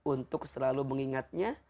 untuk selalu mengingatnya